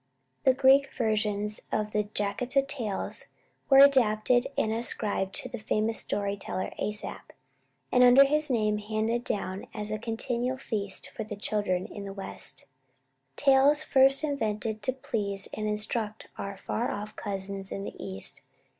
The Greek versions of the Jataka tales were adapted and ascribed to the famous storyteller, Aesop, and under his name handed down as a continual feast for the children in the West, tales first invented to please and instruct our far off cousins in the East."